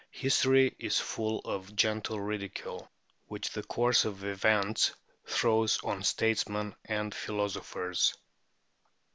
History is full of the gentle ridicule which the course of events throws on statesmen and philosophers.